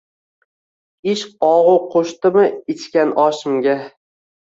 Ishq og‘u qo‘shdimi ichgan oshimga